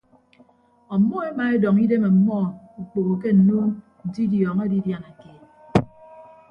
Ọmmọ emaedọñ idem ọmmọ okpoho ke nnuun nte idiọñọ edidiana keet.